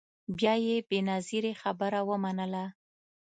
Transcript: بیا یې بنظیري خبره ومنله